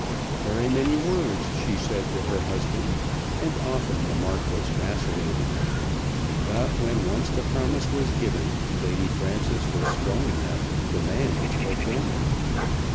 Very many words she said to her husband, and often the Marquis vacillated. But, when once the promise was given, Lady Frances was strong enough to demand its fulfilment.